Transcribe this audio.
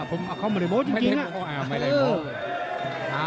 ผมเข้ามาไม่ได้โม้จริงน่ะ